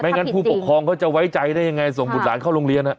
งั้นผู้ปกครองเขาจะไว้ใจได้ยังไงส่งบุตรหลานเข้าโรงเรียน